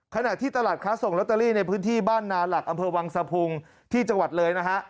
ขณะที่ตลาดค้าส่งลอตเตอรี่ในพื้นที่บ้านนาหลักอำเภอวังสะพุงที่จังหวัดเลยนะฮะ